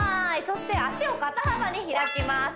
そして脚を肩幅に開きます